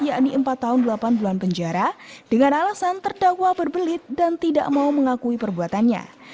yakni empat tahun delapan bulan penjara dengan alasan terdakwa berbelit dan tidak mau mengakui perbuatannya